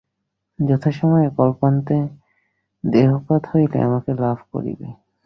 যথাসময়ে কল্পান্তে দেহপাত হইলে আমাকে লাভ করিবে।